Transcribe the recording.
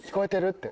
って。